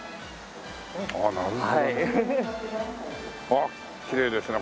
あっきれいですね。